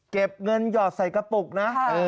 เก็บเงินหยอดใส่กระปุกนะ